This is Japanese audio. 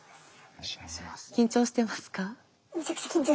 緊張してますか？